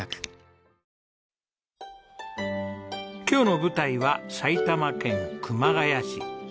今日の舞台は埼玉県熊谷市。